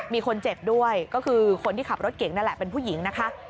มีคนเจ็บด้วยก็คือคนที่ขับรถเก่งนั่นแหละเป็นผู้หญิงนะคะ